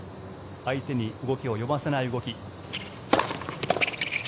相手に動きを読ませない動き。